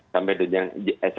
sampai dunia s satu